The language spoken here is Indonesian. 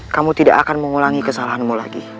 kamu tidak akan mengulangi kesalahanmu lagi